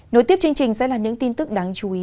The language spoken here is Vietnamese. nối tiếp chương trình sẽ là những tin tức đáng chú ý